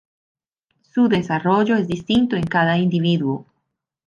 Su desarrollo es distinto en cada individuo.